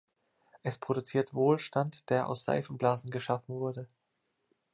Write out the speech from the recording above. Es produziert Wohlstand, der aus Seifenblasen geschaffen wurde.